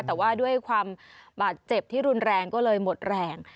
แต่ว่าด้วยความบาดเจ็บที่รุนแรงก็เลยหมดแรง